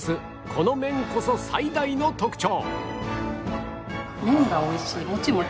この麺こそ最大の特徴